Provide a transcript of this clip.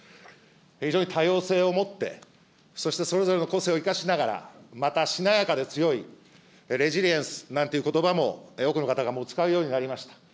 非常に多様性を持って、そしてそれぞれの個性を生かしながら、またしなやかで強い、レジリエンスということばも、多くの方がもう使うようになりました。